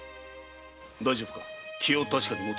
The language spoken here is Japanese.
大丈夫か？